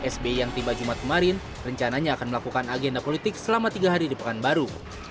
sby yang tiba jumat kemarin rencananya akan melakukan agenda politik selama tiga hari di pekanbaru